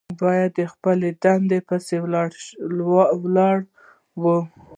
باید په خپله دنده پسې ولاړ وي.